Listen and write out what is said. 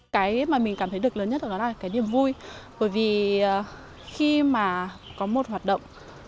trên mọi miền tổ quốc bất kể là phần việc gì bất kể là nơi đâu